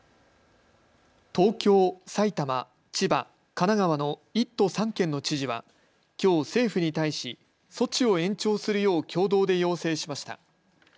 東京、埼玉、千葉、神奈川の１都３県の知事はきょう政府に対し措置を延長するよう共同で要請しました。